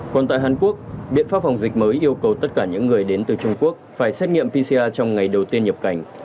còn tại hàn quốc biện pháp phòng dịch mới yêu cầu tất cả những người đến từ trung quốc phải xét nghiệm pcr trong ngày đầu tiên nhập cảnh